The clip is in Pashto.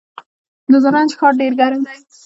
د زرنج ښار ډیر ګرم دی